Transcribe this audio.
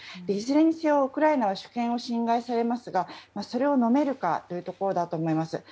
いずれにしてもウクライナは主権を侵害されますがそれをのめるかということだと思います。